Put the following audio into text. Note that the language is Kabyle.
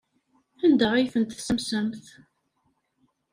Anda ay ten-tessamsemt?